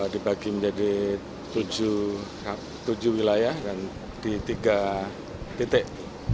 dibagi menjadi tujuh wilayah dan di tiga titik